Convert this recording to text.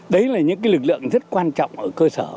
đấy là những lực lượng rất quan trọng ở cơ sở